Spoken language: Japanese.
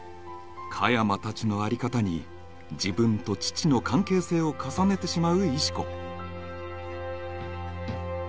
香山達のあり方に自分と父の関係性を重ねてしまう石子